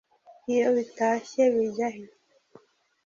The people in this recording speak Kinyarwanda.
Iyo bitashye bijya he